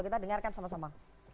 kita dengarkan sama sama